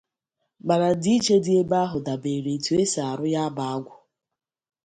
Mana ndịiche dị ebe ahụ dàbèèrè n'etu e si arụ ya bụ agwụ